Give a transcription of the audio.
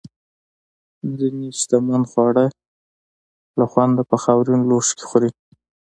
ځینې شتمن خواړه له خونده په خاورین لوښو کې خوري.